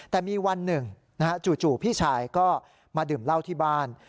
แต่มีวันหนึ่งจู่พี่ชายก็มาดื่มเหล้าที่บ้าน